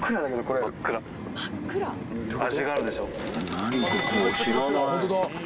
味があるでしょ。